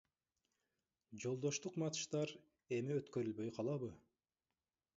Жолдоштук матчтар эми өткөрүлбөй калабы?